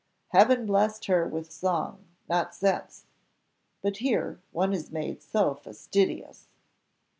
Heaven blessed her with song, not sense but here one is made so fastidious!"